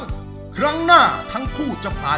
โปรดติดตามต่อไป